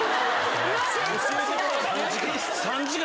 ・３時間！？